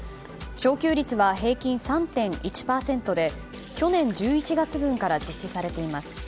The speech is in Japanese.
昇給率は平均３．１％で去年１１月分から実施されています。